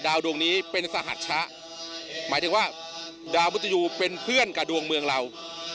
ดวงนี้เป็นสหัชชะหมายถึงว่าดาวมุตยูเป็นเพื่อนกับดวงเมืองเรา